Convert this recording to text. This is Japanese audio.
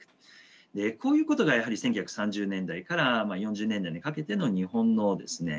こういうことがやはり１９３０年代から４０年代にかけての日本のですね